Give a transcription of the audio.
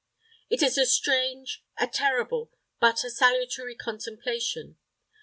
It is a strange, a terrible, but a salutary contemplation.